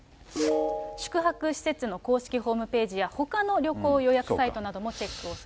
宿泊施設の公式ホームページやほかの旅行予約サイトなどもチェックをする。